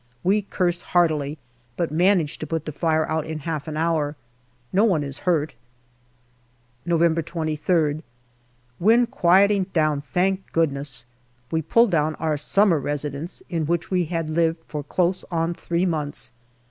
We curse heartily but manage to put the fire out in half an hour. No one is hurt. 270 GALLIPOLI DIARY November 23rd. Wind quieting down, thank goodness. We pull down our " summer residence/' in which we had lived for close on three months.